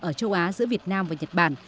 ở châu á giữa việt nam và nhật bản